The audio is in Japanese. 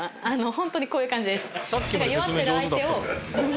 ホントにこういう感じです。